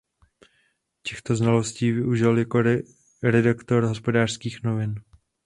Těchto znalostí využil jako redaktor "Hospodářských novin".